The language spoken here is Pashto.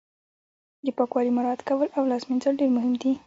د پاکوالي مراعت کول او لاس مینځل ډیر مهم دي